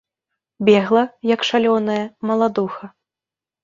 Бегла, як шалёная, маладуха.